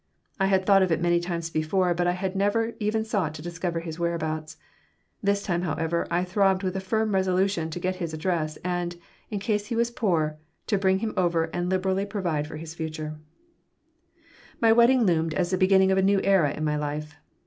I had thought of it many times before, but I had never even sought to discover his whereabouts. This time, however, I throbbed with a firm resolution to get his address, and, in case he was poor, to bring him over and liberally provide for his future My wedding loomed as the beginning of a new era in my life.